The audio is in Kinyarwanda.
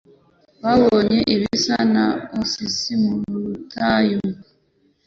Twabonye ibisa na oasisi mu butayu.